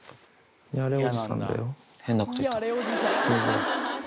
変なこと言った。